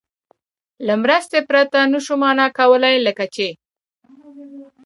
له مرستې پرته نه شو مانا کولای، لکه چې